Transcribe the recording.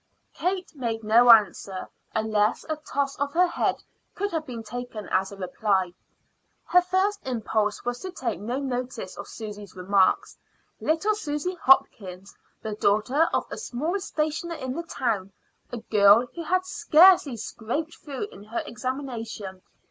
Kate made no answer, unless a toss of her head could have been taken as a reply. Her first impulse was to take no notice of Susy's remarks little Susy Hopkins, the daughter of a small stationer in the town, a girl who had scarcely scraped through in her examination.